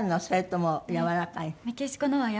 それともやわらかいの？